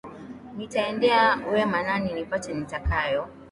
Nitendea we Manani, nipate niyatakayo.